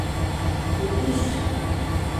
تُݸتوس